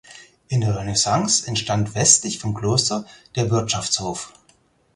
In der Renaissance entstand westlich vom Kloster der Wirtschaftshof.